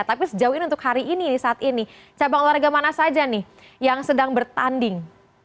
tapi sejauh ini untuk hari ini nih saat ini cabang olahraga mana saja nih yang sedang bertanding